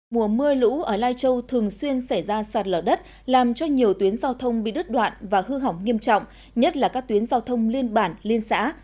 mùa mưa lũ ở lai châu thường xuyên xảy ra sạt lở đất làm cho nhiều tuyến giao thông bị đứt đoạn và hư hỏng nghiêm trọng nhất là các tuyến giao thông liên bản liên xã